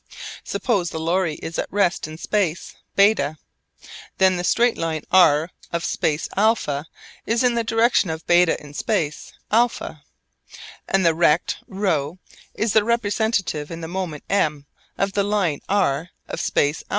Suppose the lorry is at rest in space β. Then the straight line r of space α is in the direction of β in space α, and the rect ρ is the representative in the moment M of the line r of space α.